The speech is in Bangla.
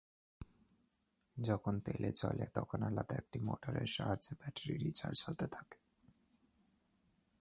যখন তেলে চলে, তখন আলাদা একটি মোটরের সাহায্যে ব্যাটারি রিচার্জ হতে থাকে।